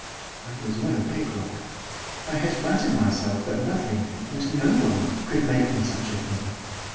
I was no picklock; I had flattered myself that nothing, and no one, could make me such a thing.